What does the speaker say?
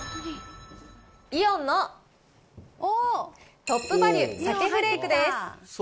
イオンのトップバリュ鮭フレークです。